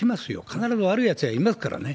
必ず悪いやつはいますからね。